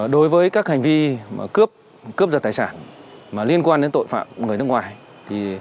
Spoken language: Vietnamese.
đối với các hành vi cướp cướp giật tài sản liên quan đến tội phạm người nước ngoài